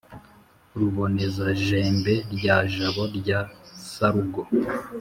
ruboneza-jembe rwa jabo rya sarugo,